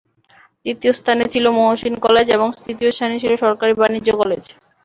দ্বিতীয় স্থানে ছিল মুহসীন কলেজ এবং তৃতীয় স্থানে ছিল সরকারি বাণিজ্য কলেজ।